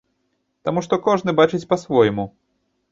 Таму што кожны бачыць па-свойму.